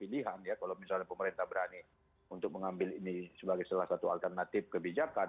ini adalah salah satu pilihan ya kalau misalnya pemerintah berani untuk mengambil ini sebagai salah satu alternatif kebijakan